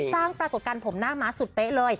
ปรากฏการณ์ผมหน้าม้าสุดเป๊ะเลย